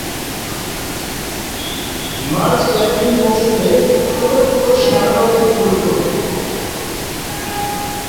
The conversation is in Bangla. মার্চ-এপ্রিল মৌসুমে ছোট ছোট সাদা রঙের ফুল ফোটে।